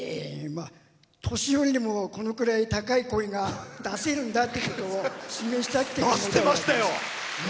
年寄りにもこのくらい高い声が出せるんだってことを示したくて歌いました。